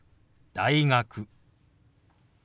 「大学」。